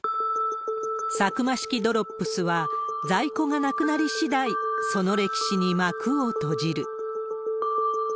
サクマ式ドロップスは、在庫がなくなりしだい、その歴史に幕を閉じる。